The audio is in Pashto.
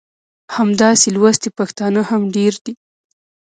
همداسې لوستي پښتانه هم ډېر دي.